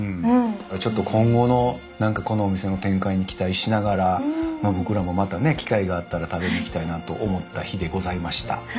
ちょっと今後のこのお店の展開に期待しながら僕らもまたね機会があったら食べに来たいなと思った日でございました。